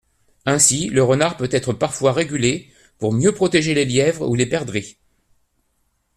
Ainsi, le renard peut être parfois régulé pour mieux protéger les lièvres ou les perdrix.